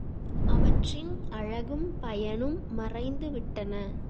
அவற்றின் அழகும் பயனும் மறைந்துவிட்டன.